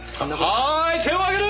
はーい手を挙げる！